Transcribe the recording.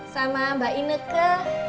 sama mbak ineke